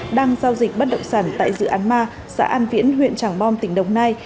ngăn giao dịch bất động sản tại dự án ma xã an viễn huyện tràng bom tp đồng nai